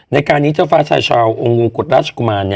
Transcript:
ในการนี้เจ้าฟ้าชายชาวองค์มงกุฎราชกุมาร